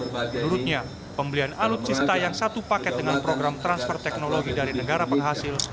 menurutnya pembelian alutsista yang satu paket dengan program transfer teknologi dari negara penghasil